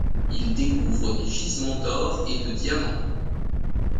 Il découvre des gisements d'or et de diamants.